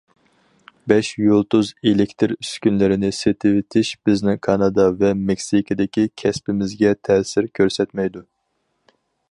بەش يۇلتۇز ئېلېكتىر ئۈسكۈنىلىرىنى سېتىۋېتىش بىزنىڭ كانادا ۋە مېكسىكىدىكى كەسپىمىزگە تەسىر كۆرسەتمەيدۇ.